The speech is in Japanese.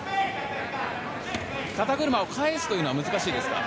肩車を返すのは難しいですか？